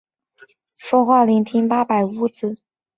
八百屋于七事件而闻名。